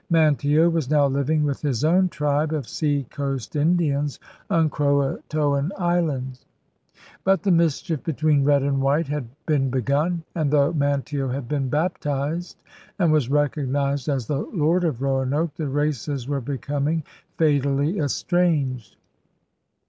Manteo was now living with his own tribe of sea coast Indians on Croatoan Island. But the mischief between red and white had been begun; and though Manteo had been baptized and was recognized as 'The Lord of Roanoke' the races were becoming fatally es tranged.